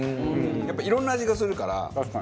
やっぱいろんな味がするから。